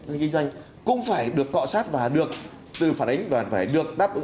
doanh nghiên doanh cũng phải được cọ sát và được từ phản ánh và phải được đáp